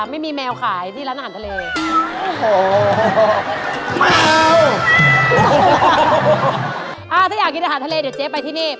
ไม่มีแมวขายนี่ร้านอาหารทะเล